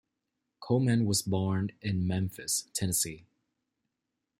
Coleman was born in Memphis, Tennessee.